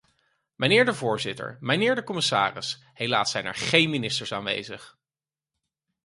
Mijnheer de voorzitter, mijnheer de commissaris, helaas zijn er geen ministers aanwezig!